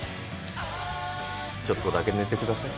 ちょっとだけ寝てください。